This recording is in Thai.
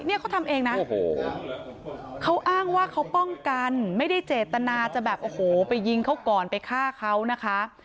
เขาทำเองนะเขาอ้างว่าเขาป้องกันไม่ได้เจตนาจะแบบโอ้โหไปยิงเขาก่อนไปฆ่าเขานะคะ